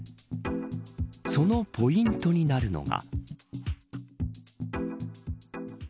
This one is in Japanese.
そのポイントになるのが。